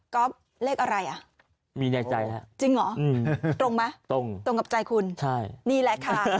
ก็เลขอะไรอ่ะมีในใจฮะจริงเหรอตรงไหมตรงตรงกับใจคุณใช่นี่แหละค่ะ